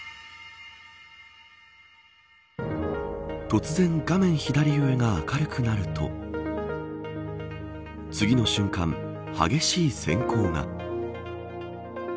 突然、画面左上が明るくなると次の瞬間激しい閃光が。